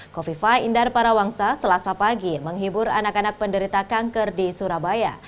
kofifa indar parawangsa selasa pagi menghibur anak anak penderita kanker di surabaya